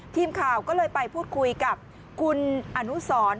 ทีมข่าวก็เลยไปพูดคุยกับคุณอนุสร